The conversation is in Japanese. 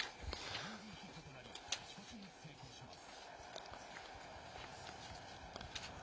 タイムリーヒットとなり勝ち越しに成功します。